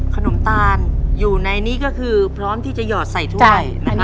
ขนมตาลอยู่ในนี้ก็คือพร้อมที่จะหยอดใส่ถ้วย